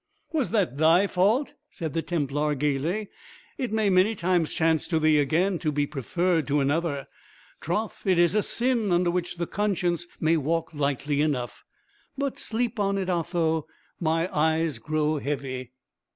"Was that thy fault?" said the Templar, gaily. "It may many times chance to thee again to be preferred to another. Troth, it is a sin under which the conscience may walk lightly enough. But sleep on it, Otho; my eyes grow heavy."